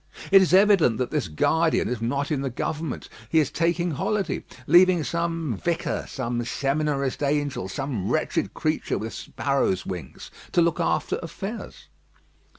It is evident that this guardian is not in the government; he is taking holiday, leaving some vicar some seminarist angel, some wretched creature with sparrows' wings to look after affairs."